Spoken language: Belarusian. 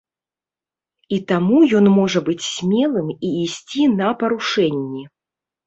І таму ён можа быць смелым і ісці на парушэнні.